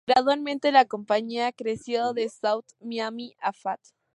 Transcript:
Gradualmente, la compañía creció de South Miami a Ft.